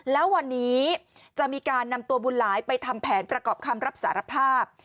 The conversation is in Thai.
แล้ววันนี้จะมีการนำตัวบุญหลายไปทำแผนประกอบคำรับสารภาพ